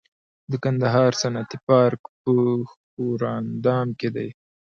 د کندهار صنعتي پارک په ښوراندام کې دی